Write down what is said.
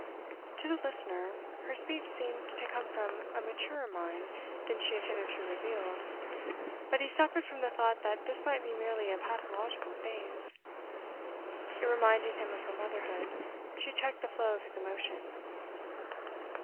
To the listener, her speech seemed to come from a maturer mind than she had hitherto revealed. But he suffered from the thought that this might be merely a pathological phase. In reminding him of her motherhood, she checked the flow of his emotion.